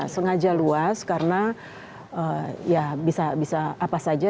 sengaja luas karena ya bisa apa saja